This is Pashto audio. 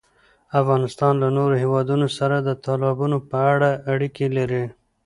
افغانستان له نورو هېوادونو سره د تالابونو په اړه اړیکې لري.